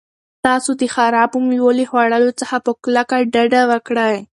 تاسو د خرابو مېوو له خوړلو څخه په کلکه ډډه وکړئ.